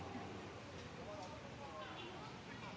เมื่อเวลาเมื่อเวลาเมื่อเวลา